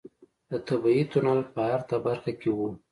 د طبيعي تونل په ارته برخه کې و.